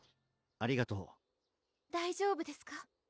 ありがとう大丈夫ですか？